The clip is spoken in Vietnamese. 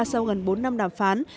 sau gần bốn năm đàm phán